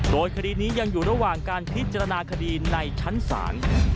โดยคดีนี้ยังอยู่ระหว่างการพิจารณาคดีในชั้นศาล